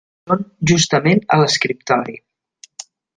Són justament a l'escriptori.